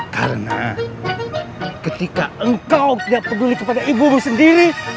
karena ketika engkau tidak peduli kepada ibumu sendiri